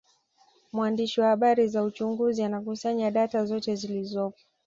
Mwandishi wa habari za uchunguzi anakusanya data zote zilizopo